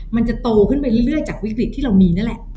มันจะโตขึ้นไปเรื่อยจากวิกฤตที่เรามีนั่นแหละ